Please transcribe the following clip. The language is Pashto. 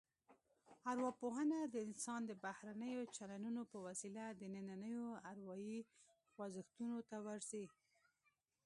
ارواپوهنه د انسان د بهرنیو چلنونو په وسیله دنننیو اروايي خوځښتونو ته ورځي